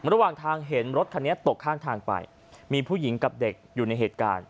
ระหว่างทางเห็นรถคันนี้ตกข้างทางไปมีผู้หญิงกับเด็กอยู่ในเหตุการณ์